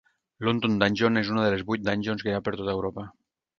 London Dungeon és una de les vuit Dungeons que hi ha per tota Europa.